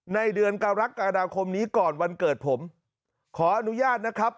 เดือนกรกฎาคมนี้ก่อนวันเกิดผมขออนุญาตนะครับ